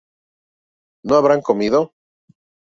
No habrán comido